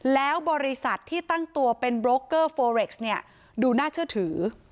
แล้วบริษัทที่ตั้งตัวเป็นโบรกเกอร์โฟเร็กซ์เนี่ยดูน่าเชื่อถือ